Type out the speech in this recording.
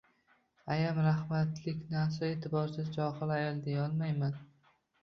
Ayam rahmatlikni aslo e'tiborsiz, johil ayol deyolmayman